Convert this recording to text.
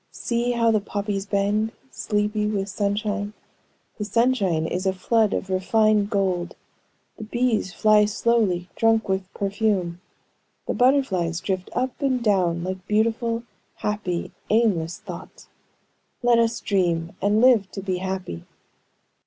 See how the poppies bend, sleepy with sunshine; the sunshine is a flood of refined gold; the bees fly slowly, drunk with perfume; the butterflies drift up and down like beautiful, happy, aimless thoughts. Let us dream, and live to be happy."